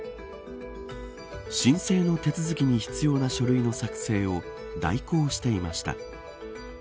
申請の手続きに必要な書類の作成を代行していました。